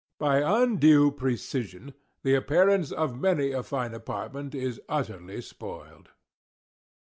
By undue precision, the appearance of many a fine apartment is utterly spoiled.